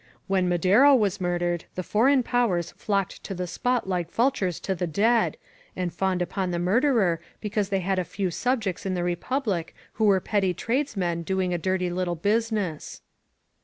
"When Madero was murdered the foreign powers flocked to the spot like vultures to the dead, and fawned upon the murderer because they had a few subjects in the Republic who were petty tradesmen doing a dirty little business.'